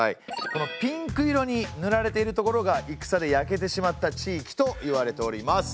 このピンク色にぬられている所が戦で焼けてしまった地域といわれております。